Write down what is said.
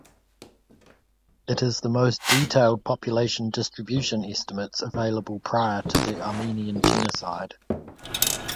It is the most detailed population distribution estimates available prior to the Armenian genocide.